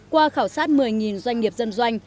qua khảo sát một mươi doanh nghiệp dân doanh